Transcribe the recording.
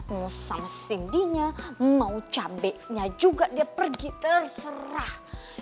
mau sam cindy nya mau cabainya juga dia pergi terserah